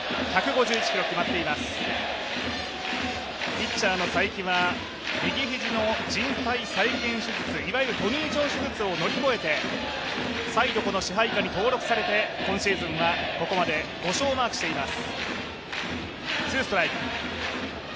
ピッチャーの才木は右肘のじん帯再建手術、いわゆるトミー・ジョン手術を乗り越えて再度、この支配下に登録されて、今シーズンはここまで５勝をマークしています。